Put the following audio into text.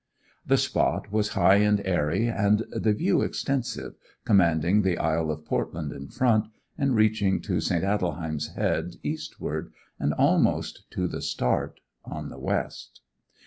The spot was high and airy, and the view extensive, commanding the Isle of Portland in front, and reaching to St. Aldhelm's Head eastward, and almost to the Start on the west.